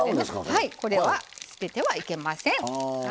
はいこれは捨ててはいけません。